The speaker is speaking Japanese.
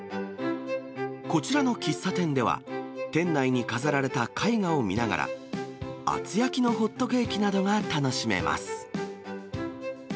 こちらの喫茶店では、店内に飾られた絵画を見ながら、厚焼きのホットケーキなどが楽しめます。